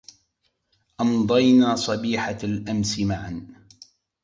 أمضينا صبيحة الأمس معا.